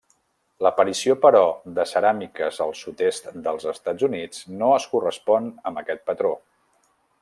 L'aparició, però, de ceràmiques al sud-est dels Estats Units no es correspon amb aquest patró.